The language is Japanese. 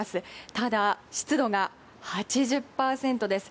ただ、湿度が８０％です。